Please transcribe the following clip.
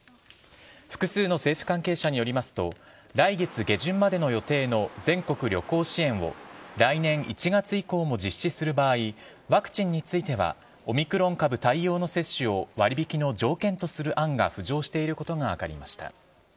複数の政府関係者によりますと、来月下旬までの予定の全国旅行支援を、来年１月以降も実施する場合、ワクチンについては、オミクロン株対応の接種を割引の条件とする案が浮上していることが分かりました。